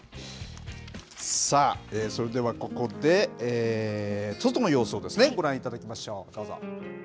それではここで外の様子をご覧いただきましょう、どうぞ。